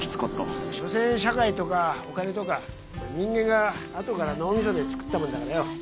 所詮社会とかお金とか人間があとから脳みそで作ったもんだからよ。